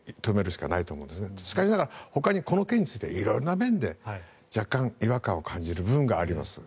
しかしながらほかにこの件について色々な面で若干、違和感を感じる部分があります。